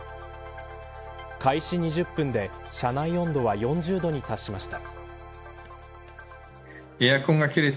開始２０分で車内温度は４０度に達しました。